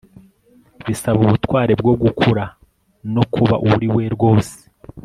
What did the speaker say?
bisaba ubutwari bwo gukura no kuba uwo uriwe rwose